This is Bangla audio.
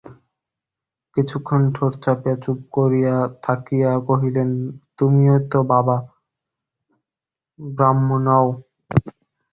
কিছুক্ষণ ঠোঁট চাপিয়া চুপ করিয়া থাকিয়া কহিলেন, তুমি তো বাবা, ব্রাহ্ম নও?